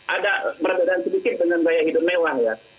ada perbedaan sedikit dengan gaya hidup mewah ya